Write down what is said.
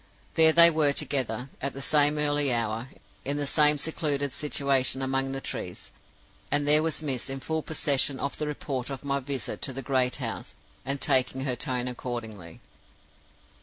There they were together, at the same early hour, in the same secluded situation among the trees; and there was miss in full possession of the report of my visit to the great house, and taking her tone accordingly.